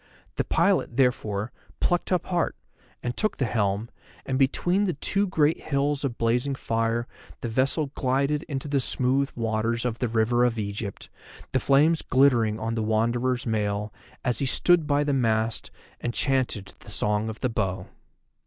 The pilot, therefore, plucked up heart, and took the helm, and between the two great hills of blazing fire the vessel glided into the smooth waters of the River of Egypt, the flames glittering on the Wanderer's mail as he stood by the mast and chanted the Song of the Bow.